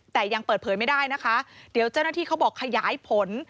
แต่ยังเปิดเผยไม่ได้นะคะเดี๋ยวเจ้าหน้าที่เขาบอกขยายผล